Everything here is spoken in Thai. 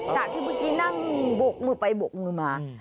จากที่เมื่อกี้นั่งบกมือไปบกมือมา